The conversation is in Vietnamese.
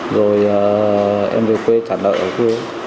rồi em về quê trả đợi ở quê